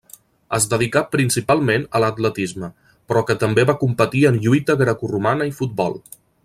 Es dedicà principalment a l'atletisme, però que també va competir en lluita grecoromana i futbol.